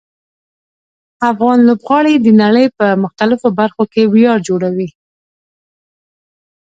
افغان لوبغاړي د نړۍ په مختلفو برخو کې ویاړ جوړوي.